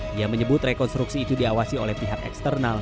dia menyebut rekonstruksi itu diawasi oleh pihak eksternal